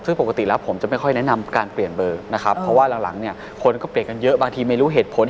ซึ่งปกติแล้วผมจะไม่ค่อยแนะนำการเปลี่ยนเบอร์นะครับเพราะว่าหลังเนี่ยคนก็เปลี่ยนกันเยอะบางทีไม่รู้เหตุผล